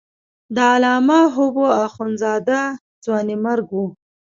د علامه حبو اخند زاده ځوانیمرګ و.